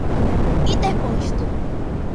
interposto